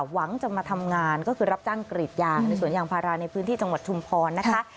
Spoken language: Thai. หวังจะมาทำงานก็คือรับจ้างกรีดยางในสวนยางพาราในพื้นที่จังหวัดชุมพรนะคะ